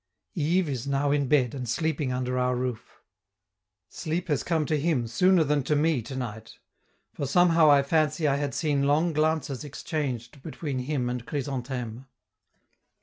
Yves is now in bed and sleeping under our roof. Sleep has come to him sooner than to me to night; for somehow I fancy I had seen long glances exchanged between him and Chrysantheme.